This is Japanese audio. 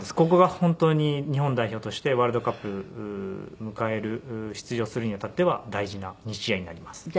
ここが本当に日本代表としてワールドカップを迎える出場するにあたっては大事な２試合になります。